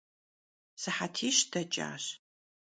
Sıhetiş deç'aş.